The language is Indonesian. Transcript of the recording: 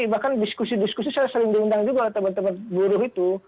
bahkan diskusi diskusi saya sering diundang juga oleh teman teman buruh itu